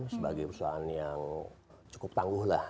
sebagai perusahaan yang cukup tangguh lah